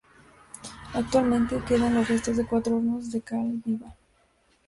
Actualmente quedan los restos de cuatro hornos de cal viva.